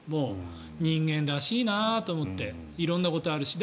人間らしいなと思って色んなことあるし。